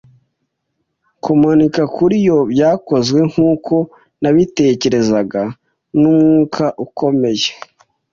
kumanika kuri yo - byakozwe, nkuko nabitekerezaga, n'umwuka ukomeye.